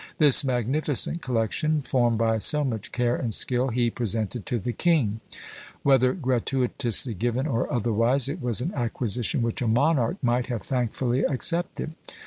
This magnificent collection, formed by so much care and skill, he presented to the king; whether gratuitously given or otherwise, it was an acquisition which a monarch might have thankfully accepted.